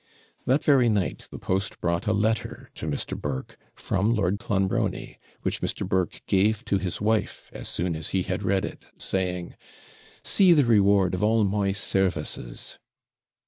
That very night the post brought a letter to Mr. Burke, from Lord Clonbrony, which Mr. Burke gave to his wife as soon as he had read it, saying 'See the reward of all my services!'